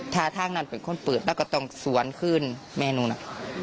ท่าทางนั้นเป็นคนเปิดแล้วก็ต้องสวนขึ้นแม่นู้นน่ะ